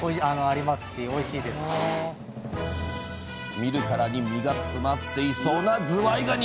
見るからに身が詰まっていそうなずわいがに。